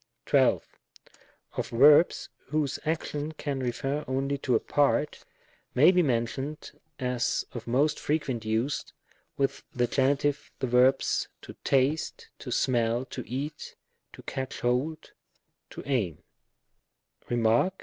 12. Of verbs whose action can refer only to a part, §115. GEinnvE. 173 may be mentioned as of most frequent use with the Gen. the verbs, to taste, to smell, to eat, to catch hold, to aim,* &c.